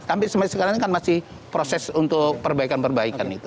tapi sekarang kan masih proses untuk perbaikan perbaikan itu